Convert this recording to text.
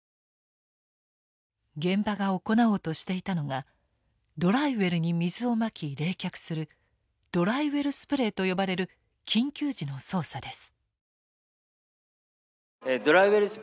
現場が行おうとしていたのがドライウェルに水をまき冷却するドライウェルスプレイと呼ばれる緊急時の操作です。